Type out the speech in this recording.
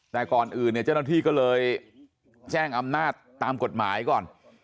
แต่ก่อนอื่นเนี่ยเจ้าหน้าที่ก็เลยแจ้งอำนาจตามกฎหมายก่อน